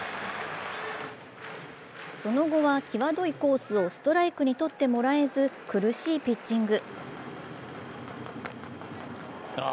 その後は際どいコースをストライクに取ってもらえず、苦しいピッチング。